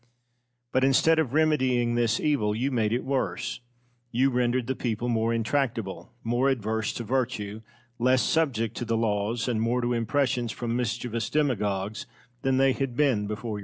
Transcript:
But, instead of remedying this evil, you made it worse. You rendered the people more intractable, more adverse to virtue, less subject to the laws, and more to impressions from mischievous demagogues, than they had been before your time.